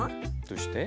どうして？